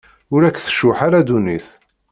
Ur ak-tcuḥḥ ara ddunit.